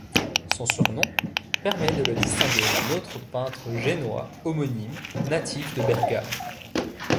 Son surnom permet de le distinguer d'un autre peintre génois homonyme natif de Bergame.